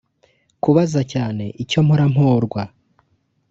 kubaza cyane icyo mpora mporwa